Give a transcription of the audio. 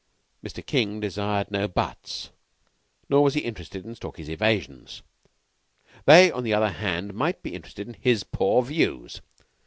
Mr. King desired no buts, nor was he interested in Stalky's evasions. They, on the other hand, might be interested in his poor views.